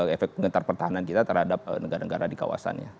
efek penggetar pertahanan kita terhadap negara negara di kawasannya